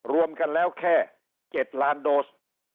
รวมกันแล้วแค่๗ล้านโดส